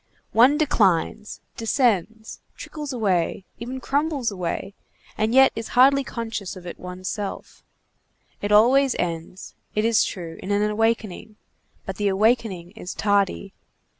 One declines, descends, trickles away, even crumbles away, and yet is hardly conscious of it one's self. It always ends, it is true, in an awakening, but the awakening is tardy.